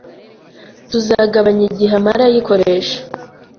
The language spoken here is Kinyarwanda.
tuzagabanya igihe amara ayikoresha